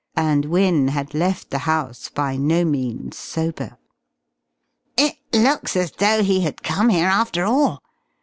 And Wynne had left the house by no means sober! "It looks as though he had come here after all!"